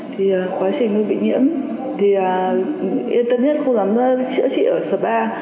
thì quá trình tôi bị nhiễm thì yên tâm nhất không dám chữa trị ở spa